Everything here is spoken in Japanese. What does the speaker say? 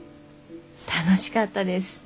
楽しかったです。